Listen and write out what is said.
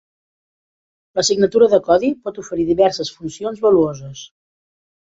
La signatura de codi pot oferir diverses funcions valuoses.